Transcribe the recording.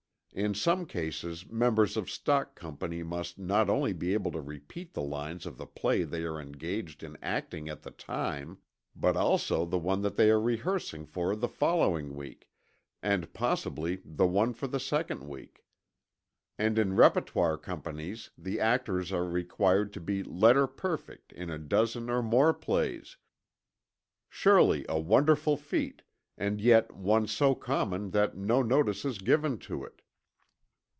In some cases members of stock companies must not only be able to repeat the lines of the play they are engaged in acting at the time, but also the one that they are rehearsing for the following week, and possibly the one for the second week. And in repertoire companies the actors are required to be "letter perfect" in a dozen or more plays surely a wonderful feat, and yet one so common that no notice is given to it.